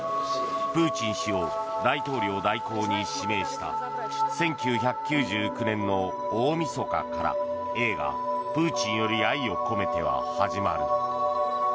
プーチン氏を大統領代行に指名した１９９９年の大みそかから映画「プーチンより愛を込めて」は始まる。